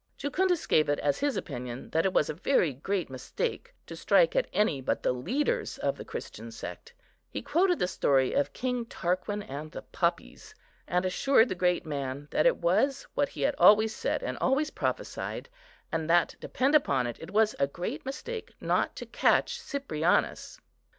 Jucundus gave it as his opinion that it was a very great mistake to strike at any but the leaders of the Christian sect; he quoted the story of King Tarquin and the poppies, and assured the great man that it was what he had always said and always prophesied, and that, depend upon it, it was a great mistake not to catch Cyprianus.